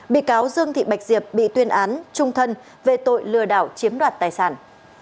bị cáo dương thị bạch diệp bị tuyên án trung thân về tội lừa đảo chiếm đoạt tài sản